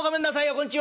こんちは！